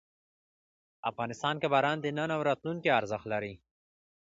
افغانستان کې باران د نن او راتلونکي ارزښت لري.